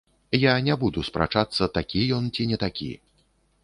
Я не буду спрачацца, такі ён ці не такі.